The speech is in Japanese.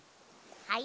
はい？